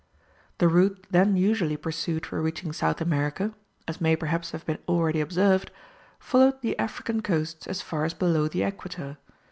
The route then usually pursued for reaching South America as may perhaps have been already observed followed the African coasts as far as below the equator.